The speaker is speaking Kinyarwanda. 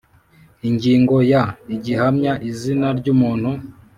Ingingo ya Igihamya izina ry umuntu